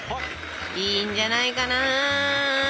いいんじゃないかな。